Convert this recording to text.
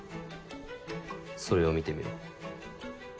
それを見てみろ。